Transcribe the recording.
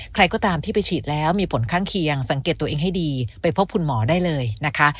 ใครก็ตามที่ไปฉีดแล้วมีผลข้างเคียงสังเกตตัวเองให้ดีไปพบคุณหมอได้เลยนะคะ